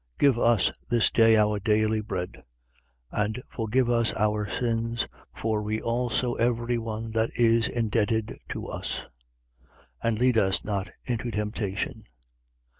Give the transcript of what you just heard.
11:3. Give us this day our daily bread. 11:4. And forgive us our sins, for we also forgive every one that is indebted to us. And lead us not into temptation.